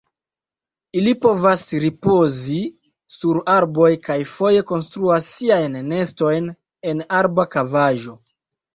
Ili povas ripozi sur arboj kaj foje konstruas siajn nestojn en arba kavaĵo.